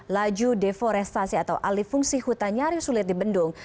laju deforestasi atau alih fungsi hutan nyaris sulit dibendung